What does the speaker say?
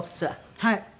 はい。